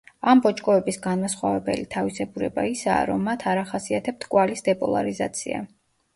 ამ ბოჭკოების განმასხვავებელი თავისებურება ისაა, რომ მათ არ ახასიათებთ კვალის დეპოლარიზაცია.